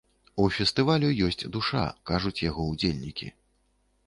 У фестывалю ёсць душа, кажуць яго ўдзельнікі.